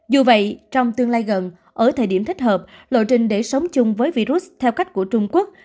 dù vậy trong tương lai gần ở thời điểm thích hợp lộ trình để sống chung với virus theo cách của trung quốc